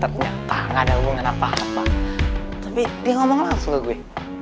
ternyata gak ada hubungan apa apa tapi dia ngomong langsung ke gue